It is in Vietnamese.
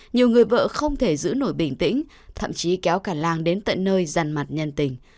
nhiều người vợ không thể giữ nổi bình tĩnh thậm chí kéo cả làng đến tận nơi ràn mặt nhân tình